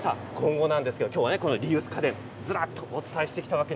今日はリユース家電ずらりとお伝えしてきました。